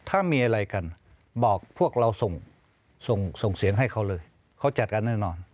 ถ้ามีอะไรกันบอกพวกเราส่งส่งเสียงให้เขาเลยเขาจัดการแน่นอน